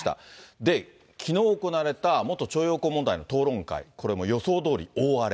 で、きのう行われた元徴用工問題の討論会、これも予想どおり大荒れ。